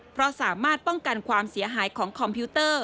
เพราะสามารถป้องกันความเสียหายของคอมพิวเตอร์